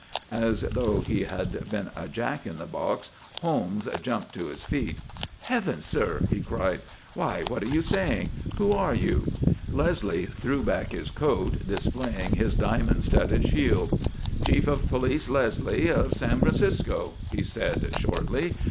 As though he had been a jack in the box, Holmes jumped to his feet. "Heavens, Sir!" he cried, "why, what are you saying! Who are you?" Leslie threw back his coat, displaying his diamond studded shield. "Chief of Police Leslie of San Francisco," He said, shortly.